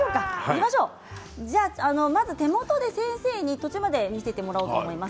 まず手元で先生に途中まで見せてもらおうと思います。